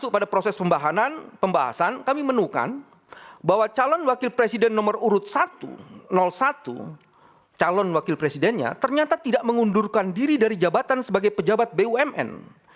pada tahun dua ribu tujuh belas calon wakil presidennya ternyata tidak mengundurkan diri dari jabatan sebagai pejabat bumn